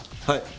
はい。